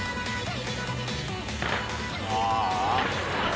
「ああ」